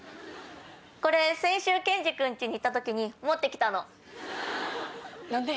これ先週ケンジ君家に行った時持って来たの。何で？